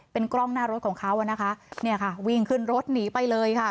เป็นกล้องหน้ารถของเขาอ่ะนะคะเนี่ยค่ะวิ่งขึ้นรถหนีไปเลยค่ะ